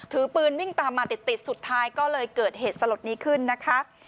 ถือปืนวิ่งตามมาติดติดสุดท้ายก็เลยเกิดเหตุสลดนี้ขึ้นนะคะ